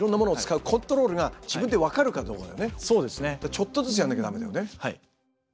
ちょっとずつやらなきゃ駄目だよね。